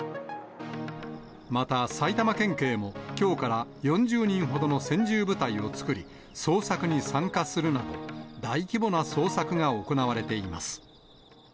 また、埼玉県警もきょうから４０人ほどの専従部隊を作り、捜索に参加するなど、大規模な捜索が行われています。